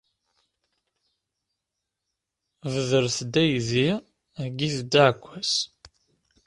Bedret-d aydi, heyyit-d aɛekkaz.